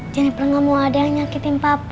jennifer gak mau ada yang nyakitin papa